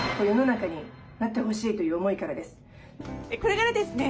これからですね